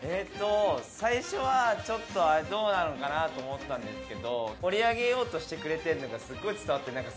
最初はちょっとどうなのかなと思ったんですけど盛り上げようとしてくれてるのがすごい伝わってなんか。